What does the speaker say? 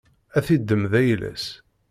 Ad t-iddem d ayla-s.